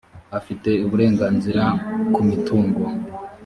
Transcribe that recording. afite uburenganzira ku mitungo